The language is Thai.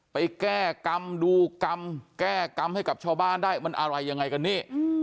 ไปแก้กรรมดูกรรมแก้กรรมให้กับชาวบ้านได้มันอะไรยังไงกันนี่